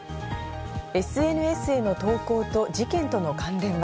ＳＮＳへの投稿と事件との関連は。